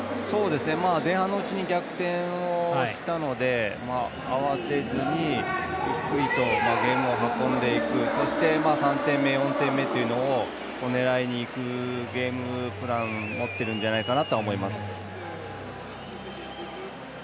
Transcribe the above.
前半のうちに逆転したので慌てずにゆっくりとゲームを運んでいくそして、３点目、４点目っていうのを狙いにいくゲームプラン持ってるんじゃないかなと思います。